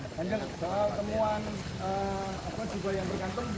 soal temuan jubah yang di kantong itu